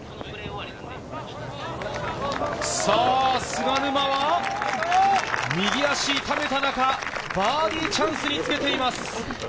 菅沼は右足を痛めた中、バーディーチャンスにつけています。